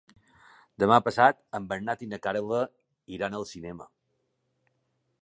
Demà passat en Bernat i na Carla iran al cinema.